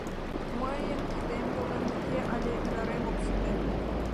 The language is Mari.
Мыйын кидем-йолем уке, але ӱнарем ок сите?